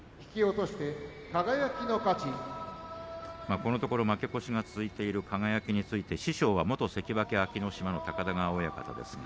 このところ負け越しが続いている輝について師匠は元関脇安芸乃島の高田川親方ですが